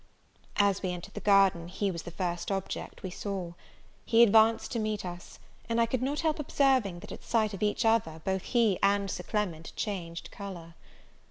As we entered the garden, he was the first object we saw. He advanced to meet us; and I could not help observing, that at sight of each other both he and Sir Clement changed colour.